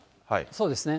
そうですね。